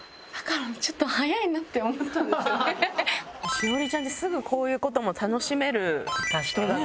栞里ちゃんってすぐこういう事も楽しめる人だから。